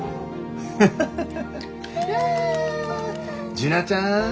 樹奈ちゃん。